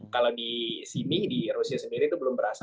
kalau di sini di rusia sendiri itu belum berasa